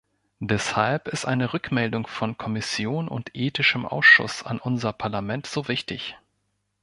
Deshalb ist eine Rückmeldung von Kommission und ethischem Ausschuss an unser Parlament so wichtig.